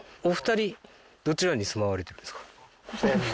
お２人どちらに住まわれてるんですか？